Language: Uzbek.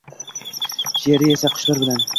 She’ri esa qushlar bilan